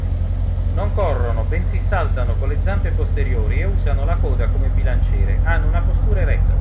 Non corrono bensì saltano con le zampe posteriori e usano la coda come bilanciere hanno una postura eretta.